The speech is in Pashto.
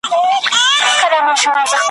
زر مزاره ګوندي را سې.